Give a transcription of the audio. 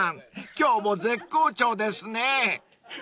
今日も絶好調ですね］